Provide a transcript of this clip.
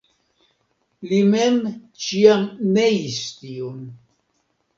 Li mem ĉiam neis tiun.